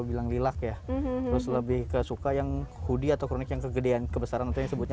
bilang lilak ya terus lebih kesuka yang hoodie atau kronik yang kegedean kebesaran atau yang disebutnya